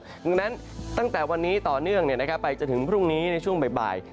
ดังนั้นตั้งแต่วันนี้ต่อเนื่องไปจนถึงพรุ่งนี้ในช่วงบ่าย